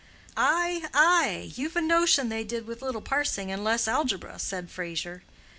"Ay, ay; you've a notion they did with little parsing, and less algebra," said Fraser.